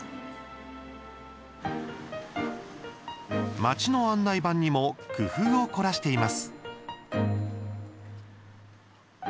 町の案内板にも工夫を凝らしています。